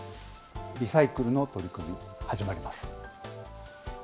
リサイクルの取り組み、始まります。